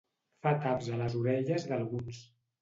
Fa taps a les orelles d'alguns.